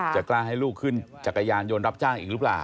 กล้าให้ลูกขึ้นจักรยานยนต์รับจ้างอีกหรือเปล่า